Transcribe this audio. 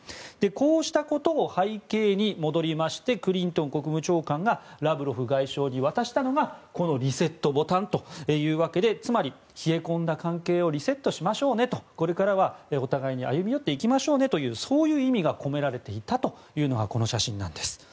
こうしたことを背景に戻りましてクリントン国防長官がラブロフ外相に渡したのがリセットボタンというわけでつまり、冷え込んだ関係をリセットしましょうねとこれからは歩み寄っていきましょうねというそういう意味が込められていたというのがこの写真なんです。